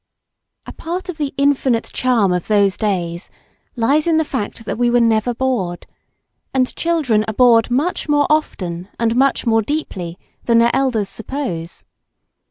A part of the infinite charm of those days lies in the fact that we were never bored, and children are bored much more often and much more deeply than their elders suppose.